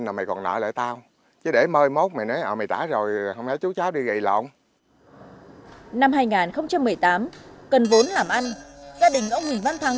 làm ăn gia đình ông huỳnh văn thắng